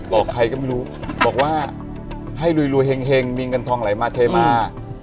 บอกใครก็ไม่รู้บอกว่าให้รวยเฮงมีเงินทองไหลมาเทมา